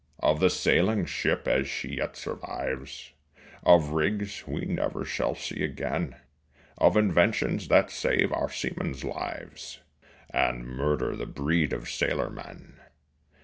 Of the sailing ship as she yet survives, Of rigs we never shall see again, Of inventions that save our seamen's lives And murder the breed of sailor men.